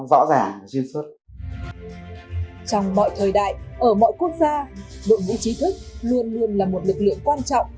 đội ngũ trí thức luôn luôn là một lực lượng quan trọng